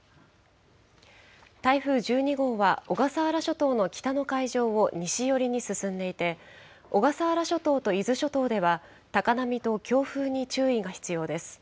台風１２号は、小笠原諸島の北の海上を西寄りに進んでいて、小笠原諸島と伊豆諸島では、高波と強風に注意が必要です。